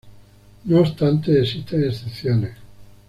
No obstante existen excepciones.